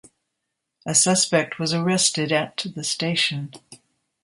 A suspect was arrested at the station.